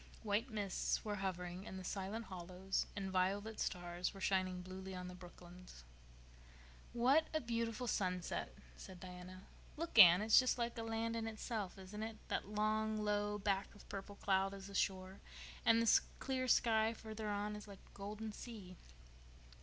White mists were hovering in the silent hollows and violet stars were shining bluely on the brooklands. "What a beautiful sunset," said Diana. "Look, Anne, it's just like a land in itself, isn't it? That long, low back of purple cloud is the shore, and the clear sky further on is like a golden sea."